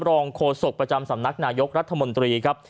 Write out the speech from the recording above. โฆษกประจำสำนักนายกรัฐมนตรีครับ